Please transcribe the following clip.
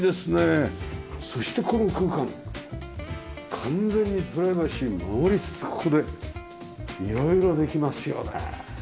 そしてこの空間完全にプライバシーを守りつつここで色々できますよね。